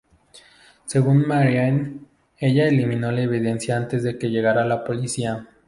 Según Marianne, ella eliminó la evidencia antes de que llegara la policía.